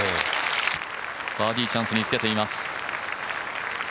バーディーチャンスにつけています。